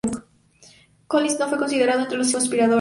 Collins no fue considerado entre los conspiradores.